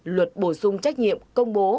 luật bổ sung trách nhiệm công bố